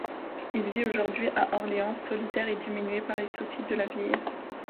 Il vit aujourd'hui à Orléans, solitaire et diminué par les soucis de la vieillesse.